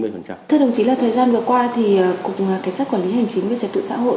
thưa đồng chí là thời gian vừa qua thì cục cảnh sát quản lý hành chính về trật tự xã hội